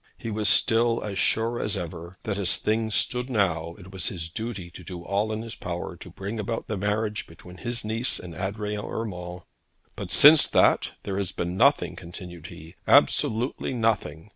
He was still as sure as ever that as things stood now, it was his duty to do all in his power to bring about the marriage between his niece and Adrian Urmand. 'But since that, there has been nothing,' continued he, 'absolutely nothing.